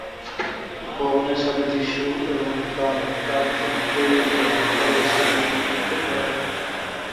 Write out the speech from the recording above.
ভবনের ছাদে যিশু এবং তাঁর চারজন প্রেরিত পলের ছবি চিত্রিত করা হয়েছে।